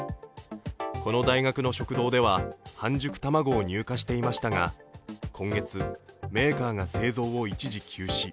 この大学の食堂では半熟卵を入荷していましたが今月、メーカーが製造を一時休止。